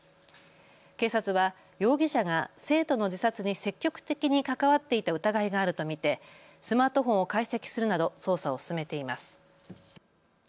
警察は容疑者が生徒の自殺に積極的に関わっていた疑いがあると見てスマートフォンを解析するなど捜査を進めています。